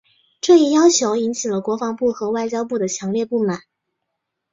这一要求引起了国防部和外交部的强烈不满。